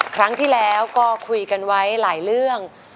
ครั้งที่แล้วก็คุยกันไว้หลายเรื่อง